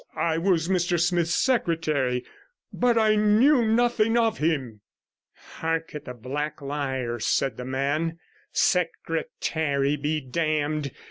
I was Mr Smith's secretary, but I knew nothing of him.' 'Hark at the black liar,' said the man. 'Secretary be damned!